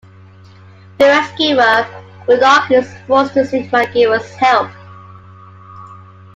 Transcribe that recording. To rescue her, Murdoc is forced to seek MacGyver's help.